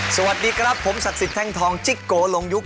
สวัสดีครับผมศักดิ์สิทธิแท่งทองจิ๊กโกลงยุค